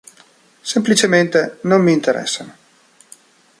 Semplicemente non mi interessano.